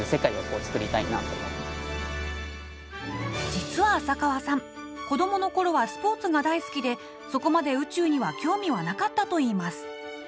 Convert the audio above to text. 実は浅川さん子どものころはスポーツが大好きでそこまで宇宙には興味はなかったといいます。